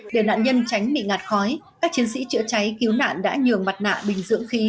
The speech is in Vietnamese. để nạn nhân tránh bị ngạt khói các chiến sĩ chữa cháy cứu nạn đã nhường mặt nạ bình dưỡng khí